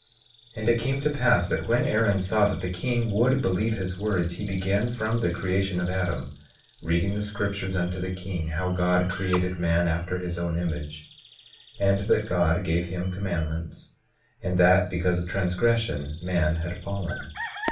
22:12 And it came to pass that when Aaron saw that the king would believe his words, he began from the creation of Adam, reading the scriptures unto the king—how God created man after his own image, and that God gave him commandments, and that because of transgression, man had fallen.